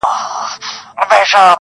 هره دښته يې ميوند دی -